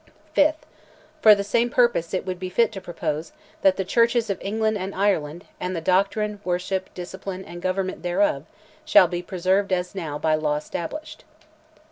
5th. "For the same purpose it would be fit to propose, that the Churches of England and Ireland, and the doctrine, worship, discipline, and government thereof, shall be preserved as now by law established.